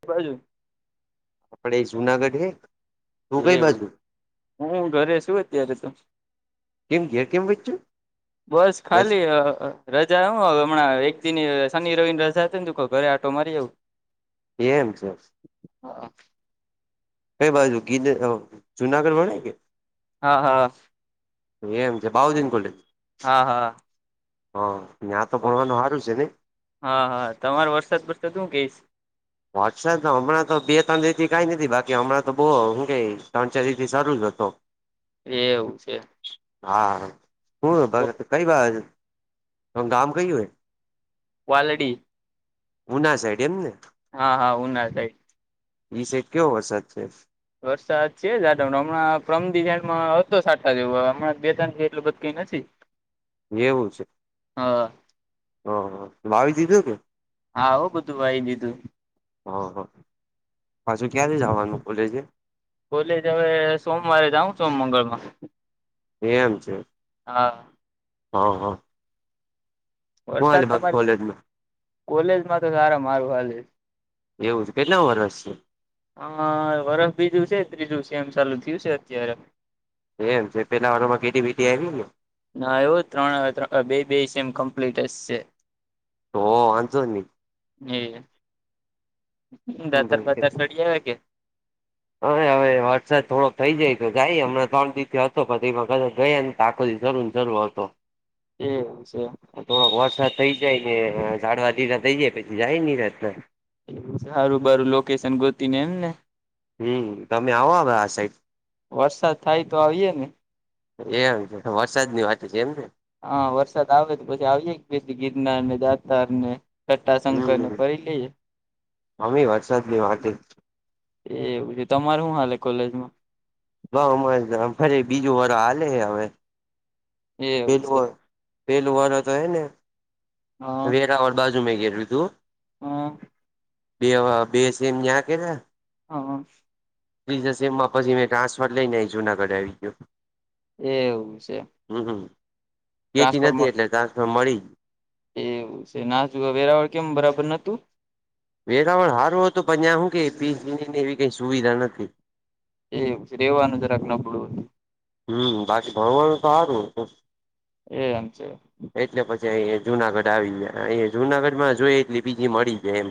[inaudible] આપડે જુનાગઢ હે તું કઈ એવું બાજુ હું ઘરે છુ, અત્યારે તો કેમ ઘેર કેમ વચ્યું બસ ખાલી રજા હુ, હવે હમણાં એક દિ સની રવિની રજા હતી ને ઘરે આટો મારી આવવુ એમ છે. હ કઈ બાજુ ગી જુનાગઢ વણે કે હા હા એમ છે બાઉદીન કોલેજ હા હા હા ત્યાં તો ભણવાનું સારું છેને. હા હા તમારો વરસાદ વરસાદ હું કહીશ વટસા તો હમણાં તો બે ત્રણ રથી કંઈ નથી બાકી હમણાં તો બહુ શું ક ત્રણચરીથી શરૂ જ હતો. [inaudible] એવું છે. હા શું કઈ વાત ગામ કયુ, હે વાલડી ઉના સાઈડ એમ ને. હા હા ઉના સાઇડ ઈ સાઇડ કેવો વરસાદ છે વરસાદ છે જ આ હમણાં [unintelligible] જેવ હ હમણાં બે તણ એટલું બધ કઈ નથી. એવું છે હ હ હ વાવી દીધું કે હા આવું બધું વાયી લીધું હ હ પાછું ક્યારે જવાનું કોલેજે? કોલેજ હવે સોમવારે જાઉં છો મંગળમાં એમ છે હા હ હ હું હાલે વરસાદ બાકી તમારે કોલેજમાં કોલેજમાં તો સારા હારું હાલે એવું છે કેટલા વર્ષ છે? હા વરહ બીજું છે ત્રીજું સેમ ચાલુ થયું છે અત્યારે. એમ છે પેલાં વરહમાં કેટી બેટી આયવી કે હા આવું જ ત્રણ બે બે સેમ કમ્પ્લીટ જ છે. તો વાંધો ની. [inaudible] દાત બતાર સડીયા કે - હ હવે વરસાદ થોડોક થઇ જાય તો જાય હમને ત્રણ દિવ તો પ એ કર ગઈ ને તાકો જરૂર જરૂર હતો. એવું છે થોડોક વરસાદ થઈ જાય ને જાડવા દીરા થઈ જાય પછી જાય નની રતને એ સારું બારું લોકેશન ગોતી ને એમ ને. હમ્મ તમે આવો હવે આ સાઈડ. વરસાદ થાય તો આવીએે ને. એમ છે વરસાદની વાત છે એમ ને. હા વરસાદ આવે તો પછી આવીએ એક બે દી ગિરનાર ને જાતાાર ને કટાશંકર ને હમ ફરી લઈએ. અમે વરસાદની વાતે એવું છે તમારે શું હાલે કોલેજમાં? ફરી બીજું વર હાલે હે હવે. એવું છે પેલું પેલું વર તો હે ને વેરા વાળા. બાજુ મેં ઘરે લીધું હ બે બે સેમ ન્યા કેયા [inaudible] પ્લીઝ સમમાં પછી મેં ટ્રાન્ફર લઈને આવી જૂનાગઢ આવી ગયો એવું છે હમ્મ હમ્મ કેટી નતી ટ્રાન્સફર આયી એટલે ટ્રાન્સફર મળી ગયું એવું છે ના જો વેરાવળ કેમ બરાબર નતું? વેરાવળ સારું હતું પણ્યા શું કે ફીસ વિનીને એવી કંઈ સુવિધા નથી. એ રેવાનુંજરાક નબડુ - હમ્મ બાકી ભણવાળું તો હારુ. એમ છે એટલે પછી અ જુનાગઢ આવી જાય અ જુનાગઢમાં જોઈ એટલે બીજી મળી જાય એમ.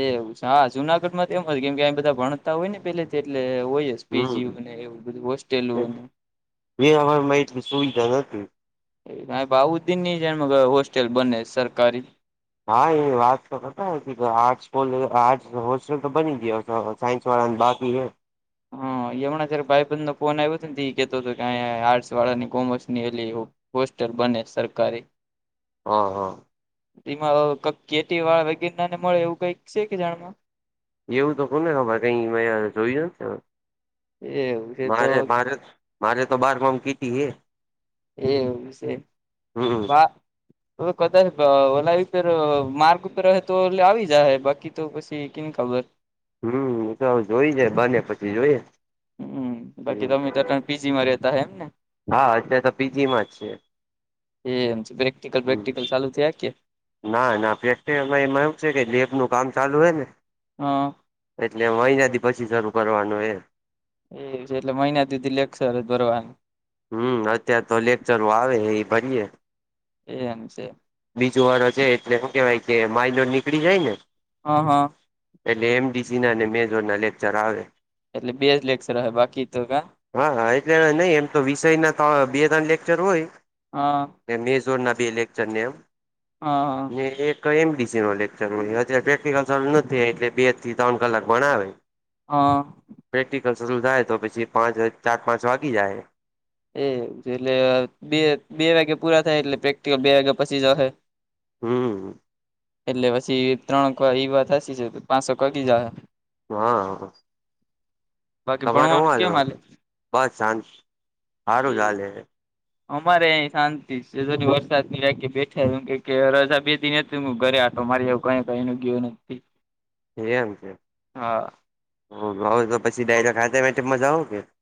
એવું છે હા જુનાગઢ માં તો એમ કેમ કે બધા ભણતા હોય ને પેલેથી એટલે હોયજ સપીજી હો હમ ને એવું બધું હોસ્ટેલ વેલાવરમાં એટલી સુવિધા નતી એ બાઉુદદીન હોસ્ટેલ બને સરકારી હા એ વાત તો કરતા આર્ટસલે આર્ટ હોસ્ટલ તો બની ગયા. સાઇન્સ વાળા ને બાકી હે હા એ હમણાં જ્યારે ભાઈબંધ નો ફોન આવ્યો કેતો હતો, આર્ટસ વાળા ની કોમર્સ વાળા ની એટલે એવ હોસ્ટલ બને સરકારી હ હ એમાં કેટી વાળા વગેર ના ને મળે એવું કઈક છે કે જાણમાં. એવું તો કોને ખબર કઈં મેં જોયું નથી. એવું છે તો મારે મારે મારે તો બારમા માં કેટી હે. એવું છે હમ [unintelligible] માર્ક ઉપર [unintelligible] આવી જાહે બાકી તો પછી કી ખબર હમ ઈ તો જોઈ જાય બને પછી જોઈએ. હમ બાકી તમે તો અતારે પીજી માં રેતા હે એમ ને હા અત્યારે તો પીજી માં જ છે. એ પ્રેક્ટિકલ હમ પ્રેક્ટિકલ ચાલુ થયા કે ના ના પ્રેક્ટીકલમાં એમ એવુ છે કે લેબ નું કામ ચાલુ હેને હા એટલે મહિના દી પછી શરૂ કરવાનું એ એજ એટલે મહિના સુધી લેક્ચર જ ભરવાનું હમ અત્યાર તો લેકચરો આવે એ ભરીયે એમ છે બીજો વાળો છે એટલે શું કેવાય કે માઇનોર નીકળી જાય ને હ હ એટલે એમડીસી ના અને મેજર ના લેક્ચર આવે એટલે બેજ લેક્ચર આવે બાકી તો કા હા હા એટલે નહી એમ તો વિષય ના બે ત્રણ લેક્ચર હોય. હા ને મેજોર ના બે લેક્ચર ને એમ. હા હા ને એક એમડીસી નો લેક્ચર હોય અત્યારે પ્રેક્ટિકલ ચાલું નથી થિયુ એટલે બે થી ત્રણ કલાક ભણાવે. હા પ્રેક્ટિકલ શરૂ થાય તો પછી પાંચ ચાર પાંચ વાગી જાય. એ એટલે બે બે વાગ્યા પૂરા થાય એટલે પ્રેક્ટિકલ બે વાગ્યા પછી જ અહે. હમ્મ. એટલે પછી ત્રણ એ વાત સાચી છે પાંચક વાગી જાહે. હા. બાકી તમારે હુ ભણવાનું હાલે કેમ બસ શાંત હારું જ એ હાલે હે. અમારે અહીં શાંતિ છે વરસાદની [unintelligible] હું ઘરે આટો મારીયાવ કઈ કઈ [unintelligible] નથી હા [unintelligible]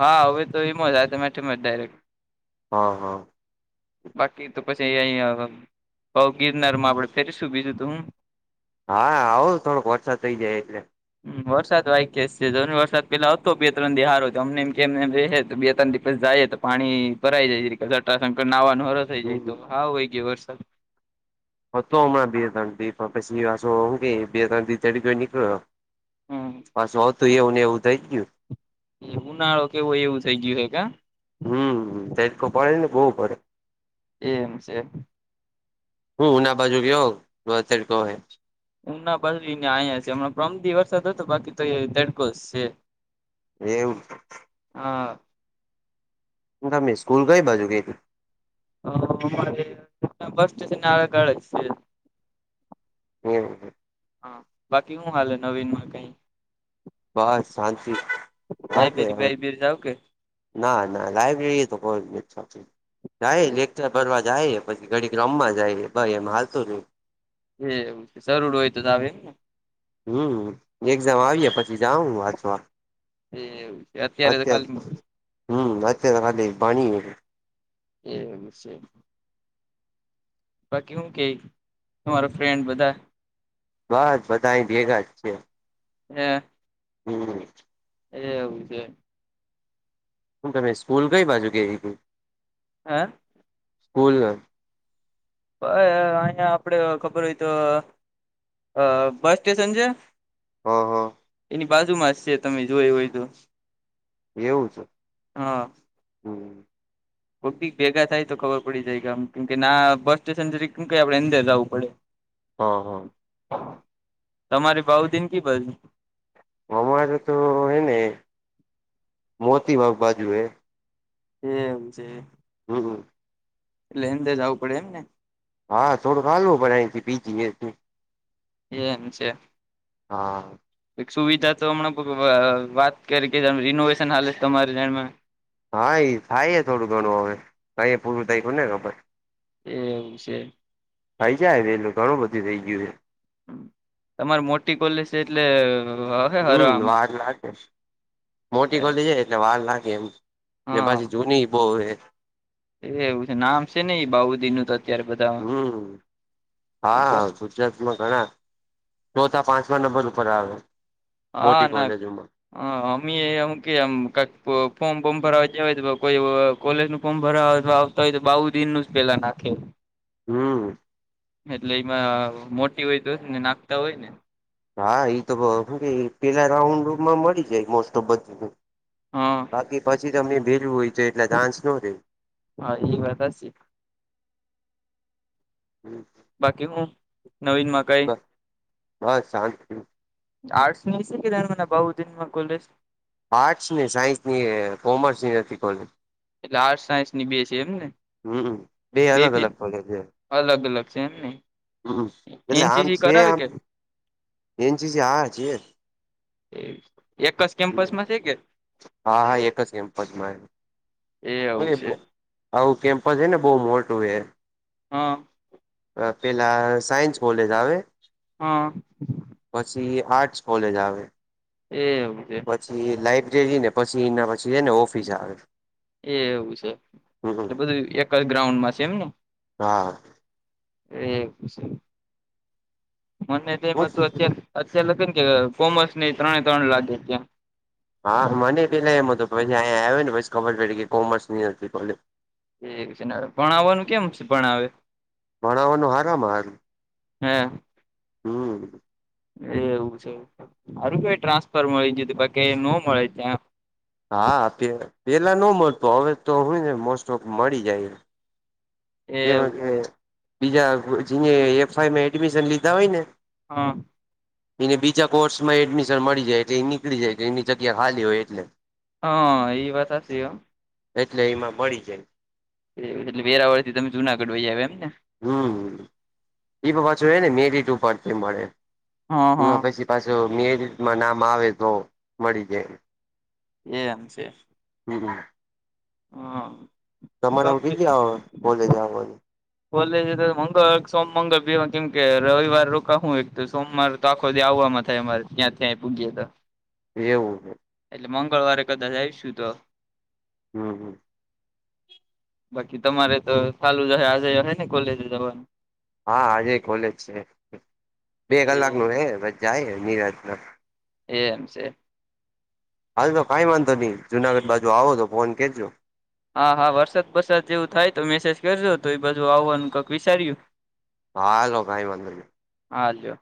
હા હવે તો એમજ [unintelligible] ડાયરેક્ટ હા હા બાકી તો પછી અહીંયા ભવ ગિરનાર માં આપડે ફરીશું બીજું તો હું હા આવો થોડોક વરસાદ થઈ જાય એટલે [unintelligible] રહે તો બે ત્રણ દિવસ જાય તો પાણી ભરાય જાય હમ છે [unintelligible] [unintelligible] પાછુ હમ હોતું એવું ને એવું થઈ ગયું. એ ઉનાળો [unintelligible] હમ તડકો પડે ને બહુ પડે એમ છે. [unintelligible] [unintelligible] એવું. હા. [unintelligible] અમારે બસ સ્ટેશન ને આગળ ગાળે છે. હમ. હા. બાકી શું હાલે નવીનમાં કઈ? બસ શાંતિ. વાજ નઈ લાયબ્રેરી હ. બાયબ્રેરી જાવ કે ના ના. લબ્રેરી તો કોઈ જાય. લેક્ચર ભરવા જાય. પછી ઘડી રમવા જાય. ભ એમ હાલતું શું. એ એવું છે. સરળું હોય તો ત આવે એમને હમ. એક્ઝામ આવીએ પછી જાઉં વાચવા. એવું. છે અત્યારે અત તો હ ખાલી અત ખાલી પાણી. એમ નિશ્ચય. બાકી હું કે મારો ફ્રેન્ડ બધા. બસ બધા અહીંયા ભેગા છે. એમ. હમ. એવું છે. હું તમે સ્કૂલ કઈ બાજુ કે? હા. સ્કૂલ? હ અહિયાં આપડ ખબર હોય તો અઆ બસ સ્ટેશન છે. હા હા. એની બાજુમાં જ છે તમે જો એ હોય તો. એવું છે. હા. હમ કોકીક ભેગા થાય તો ખબર પડી જાય કે આમ કેમ કે ના બસ સ્ટેશન જ કેમું કઈ આપડે અંદર જવું પડે. હં હં. તમારી ભઉ દિન ક બજ. અમારે તો હેને મોતી વાગ બાજુ હે. એ હ છે. હમ હમ. એટલે અંદર જવું પડે એમ ને. હા થડો કાલવો બરાયથી બીજીએ હતી. એમ છે. હા. સુવિધા તો હમં વાત કરી કે રિનોવેશન હાલે છે તમારેમાં. હા એ થાય છે. થોડું ઘણું હવે ક પૂરું થાયખ ને ખબર. એવું છે થઈ જાય વેલું. ઘણું બધું રઈ ગયું છે. તમારે મોટી કોલેજ છે એટલે. હમ. હરામ વાર લાગે. મોટી ગોલી જાય એટલે વાર લાગે એમ. ને હા પછી જૂની બહ એ. એ એવું છે નામ છે ને એ બાઉદી નું. અત્યારે બધામાં હમ હા. સમાં ઘણા ચોથા પાંચમા નંબર ઉપર આવે હા મોટી નાક [inaudible] [inaudible] ્મી એમું કેમ કક ફોર્મ ફોર્મ ભરવા જવાય તો કોઈ કોલેજ નું ફોર્મ ભરવાય તો ય તો બઉુ દિન ન જ પેલા નાખે હમ એટલે એમાં મોટી હોય તો ને નાખતા હોય ને હા એ તો પેલા રાઉન્ડમાં મળી જાય મોસ્ટ ઓફ બધું હા બાકી પછી તમને ભેલવું હોય તો એટલા ચાન્સ ન રહેે હા એ વાત હશે હમ બાકી હું નવીન મા બસ બસ શાંતિ આર્ટસ ની શ કે મને બુ દિનમાં કોલે આર્ટ્સ ને સાયન્સ ની કોમર્સની નથી કોલે એટલે આર્ટ્ સાયન્સની બે છે એમ ને હમ બે અલગ અલગ કોલેજ છે. અલગ અલગ છે એમને હમ એટલે આમ એનસીસી છે કરાવે આમ કે એચ આ છે. એક જ કેમ્પસમાં છે કે હા હા એક જ એમપદમાં એવું છે આવું કેમ્પસ છે ને બઉુ મોટું હ હા પેલા સાયન્સ કોલેજ આવે હા પછી એ આર્ટસ કોલેજ આવે એવુંજ પછી લાઈબ્રેરી ને પછી એના પછી જાય ને ઓફિસ આવે એ એવું છે હમ એટલે બધું એક જ ગ્રાઉન્ડમાં છે એમ ને હા એ મને તું અતાર અતલે કઈને કે કોમસ ત્રણે ત્રણ લાગે કેમ હા મને પેલાં એમ તો પછી અહીંયા આવ્યો નેછી ખબર પડી કે કોમર્સની ભોલ એ છે ના ભણાવવાનું કેમ છે ભણાવ ભણાવવાનું હારમ હારું હમ એ એવું છે હારું કેઈ ટ્રાન્સફર મળી છે ન મળે ત હા પ પેલા ન મળતું હવે તો હય ને મોસ્ટ ઓફ મળી જાય. જેમાં એવું કે છે બીજા જે એફાઈમાં એડમિશન લીધા હોય ને હા એને બીજા કોર્સ માં એડમિશન મળી જાય એટલે એ નીકળી જાય એની જગ્યા ખાલી હોય એટલે હા એ બતાતી હ એટલે એમાં મળી જાય એટલે વેરાવળ થી તમે જુનાગઢવાઈ આવે એમ ને હમ એ પાછ ને મેરી ટુ બે મળે હા હ હા પછી પાછું મેમાં નામ આવે તો મળી જાયમ એ એમ છે. હ હા કેમ તમામ કે ગી જઓ બોલે જાો કોલેજ તો મંગળર સોમંગળ બે કેમ કે રવિવાર રોકા હું એક તો સોમવાર તો આખો દ આવવામાં થાય અમારે ત્યાં ત્યાંય પૂગી એવું એટલે મંગળવારે કદાચ આવીશું તો. હમ હમ. બાકી તમારે તો ચાલું જ હશે આજે હ ને કોલેજ જવાનું. હા આજે ખલેજ છે બે કલાક એમ નું હ બસ જાય નિરાજ. એ એમ છે. હાલ તો કઈ વાંધો નહી જુનાગઢ બાજુ આવો તો ફોન કરજો. હા હા વરસાદ વરસાદ જેવું થાય તો મેસેજ કરજો તો એ બાજુ આવવાનું કઈક વિચાર્યુ હા લો ભાઈ વાંદર હા જો